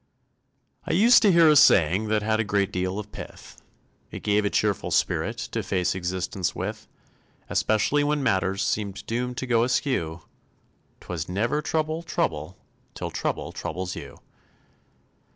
I used to hear a saying That had a deal of pith; It gave a cheerful spirit To face existence with, Especially when matters Seemed doomed to go askew, 'Twas _Never trouble trouble Till trouble troubles you.